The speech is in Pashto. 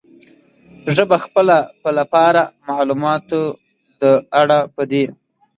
ژبه خپله په لپاره، معلوماتو د اړه پدې